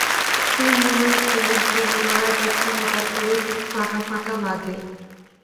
তিন রুমের ফ্ল্যাট জাহানারার কাছে হঠাৎ করেই খুব ফাঁকা ফাঁকা লাগে।